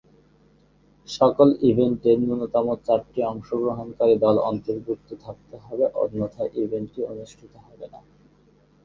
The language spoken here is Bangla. সকল ইভেন্টে ন্যূনতম চারটি অংশগ্রহণকারী দল অন্তর্ভুক্ত থাকতে হবে অন্যথায় ইভেন্টটি অনুষ্ঠিত হবে না।